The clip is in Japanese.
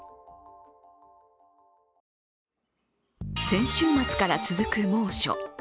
先週末から続く猛暑。